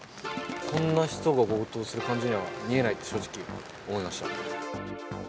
こんな人が強盗する感じには見えないと正直、思いました。